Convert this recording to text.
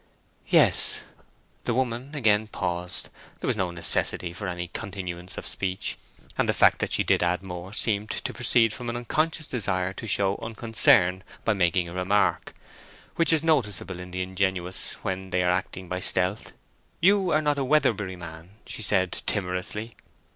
"Yes—" The woman again paused. There was no necessity for any continuance of speech, and the fact that she did add more seemed to proceed from an unconscious desire to show unconcern by making a remark, which is noticeable in the ingenuous when they are acting by stealth. "You are not a Weatherbury man?" she said, timorously.